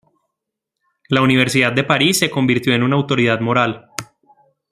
La Universidad de París se convirtió en una autoridad moral.